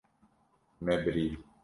Me birî.